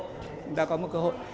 chúng ta có một cơ hội